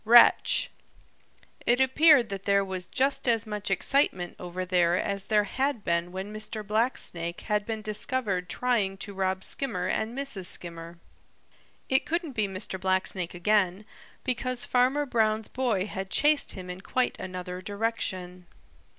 Wretch!" It appeared that there was just as much excitement over there as there had been when Mr. Blacksnake had been discovered trying to rob Skimmer and Mrs. Skimmer. It couldn't be Mr. Blacksnake again, because Farmer Brown's boy had chased him in quite another direction.